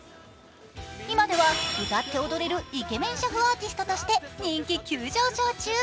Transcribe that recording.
今では歌って踊れるイケメン車夫アーティストとして人気急上昇中。